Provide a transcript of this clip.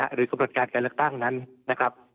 หรือกำหนดการการเลือกตั้งนั้นนะครับ